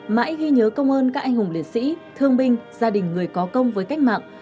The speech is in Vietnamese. mãi ghi nhớ công ơn các anh hùng liệt sĩ thương binh gia đình người có công với cách mạng